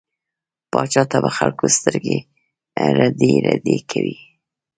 پاچا تل په خلکو سترګې رډې رډې کوي.